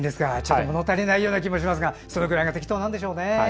物足りないような気がしますがそれぐらいが適当なんでしょうね。